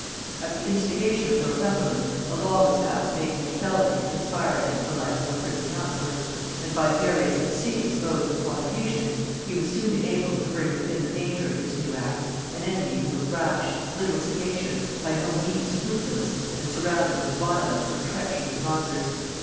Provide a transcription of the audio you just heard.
At the instigation of Northumberland, a law was passed making it felony to conspire against the life of a privy counsellor; and by various insidious modes of provocation, he was soon enabled to bring within the danger of this new act an enemy who was rash, little sagacious, by no means scrupulous, and surrounded with violent or treacherous advisers.